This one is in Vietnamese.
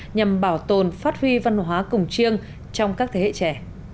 nhằm bảo tồn phát huy văn hóa cổng chiêng trong các thế hệ trẻ